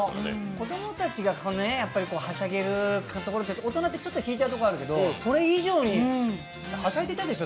子供たちがはしゃげるところって大人って引いちゃうところあるけどそれ以上にはしゃいでたでしょ？